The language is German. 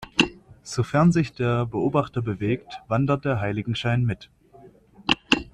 Sofern sich der Beobachter bewegt, wandert der Heiligenschein mit.